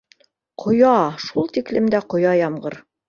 Ҡоя, шул тиклем дә ҡоя ямғыр